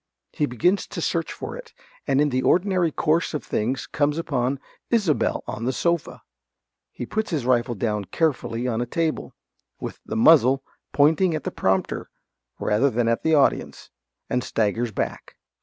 (He begins to search for it, and in the ordinary course of things comes upon Isobel _on the sofa. He puts his rifle down carefully on a table, with the muzzle pointing at the prompter rather than at the audience, and staggers back.